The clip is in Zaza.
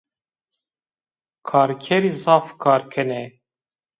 Karkerî zaf kar kenê